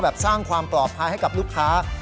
สร้างความปลอดภัยให้กับลูกค้า